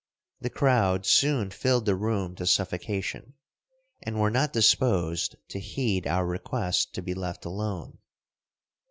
The crowd soon filled the room to suffocation, and were not disposed to heed our request to be left alone.